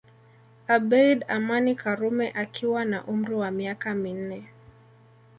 Abeid Amani Karume akiwa na umri wa miaka minne